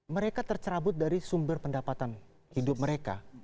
mereka tercerabut dari sumber pendapatan hidup mereka